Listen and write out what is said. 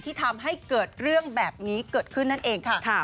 ทำให้เกิดเรื่องแบบนี้เกิดขึ้นนั่นเองค่ะ